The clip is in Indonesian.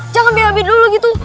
jangan bab dulu gitu